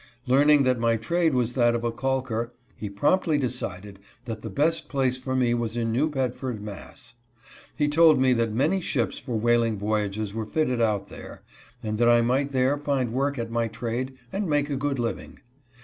Learning that my trade was that of a calker, he promptly decided that the best 254 THEY ARRIVE AT NEW BEDFORD. place for me was in New Bedford, Mass. He told me that many ships for whaling voyages were fitted out there, and that I might there find work at my trade and make a good living.